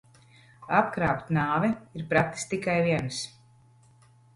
Apkrāpt nāvi ir pratis tikai viens.